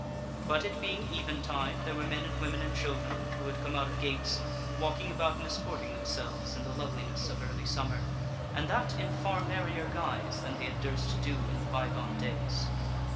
But, it being eventide, there were men and women and children, who had come out of gates, walking about and disporting themselves in the loveliness of early summer, and that in far merrier guise than they had durst do in the bygone days.